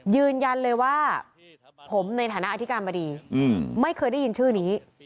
ยืนยันเลยว่าผมในฐานะอธิการบดีไม่เคยได้ยินชื่อนี้